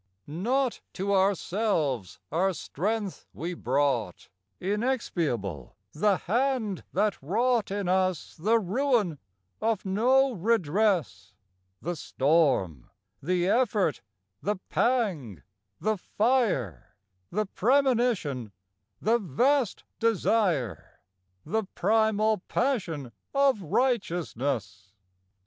II Not to ourselves our strength we brought: Inexpiable the Hand that wrought In us the ruin of no redress, The storm, the effort, the pang, the fire, The premonition, the vast desire, The primal passion of righteousness!